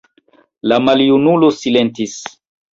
La maljunulo silentis.